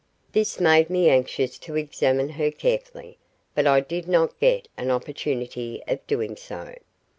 This made me anxious to examine her carefully, but I did not get an opportunity of doing so.